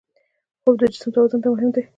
خوب د جسم توازن ته مهم دی